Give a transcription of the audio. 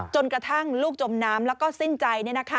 จนกระทั่งลูกจมน้ำแล้วก็สิ้นใจ